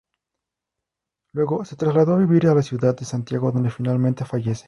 Luego se trasladó a vivir a la ciudad de Santiago donde finalmente fallece.